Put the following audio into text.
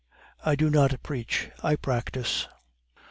"I do not preach, I practise."